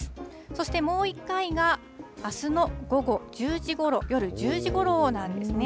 そしてもう一回が、あすの午後１０時ごろ、夜１０時ごろなんですね。